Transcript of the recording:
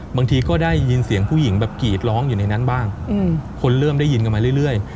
บางทีก็ได้ยินเสียงผู้หญิงแบบกรีดร้องอยู่ในนั้นบ้างคนเริ่มได้ยินกันมาเรื่อย